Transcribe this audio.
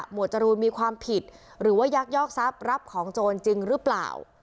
หมวดจรูลมีความผิดหรือว่ายักษ์ยอกทรัพย์รับของโจรจรึเปล่า